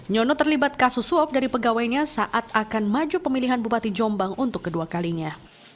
nyono terlibat kasus suap dari pegawainya saat akan maju pemilihan bupati jombang untuk kedua kalinya